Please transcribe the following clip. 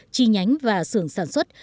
chi nhánh và sưởng sản xuất